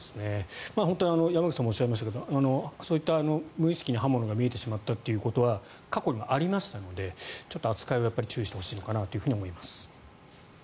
本当に山口さんもおっしゃいましたがそういった無意識に刃物が見えてしまったということは過去にもありましたのでちょっと扱いは注意してほしいのかなと思います。